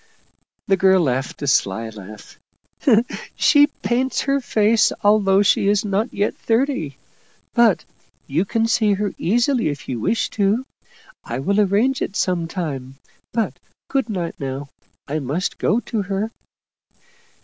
The girl laughed a sly laugh. " She paints her face, al though she is not yet thirty. But you can see her easily if you wish to. I will arrange it some time. But good night now. I must go to her."